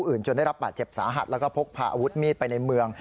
จนได้รับบาดเจ็บสาหัสแล้วก็พกพาอาวุธมีดไปในเมือง